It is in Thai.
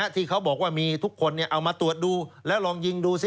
ที่เขาบอกว่ามีทุกคนเอามาตรวจดูแล้วลองยิงดูสิ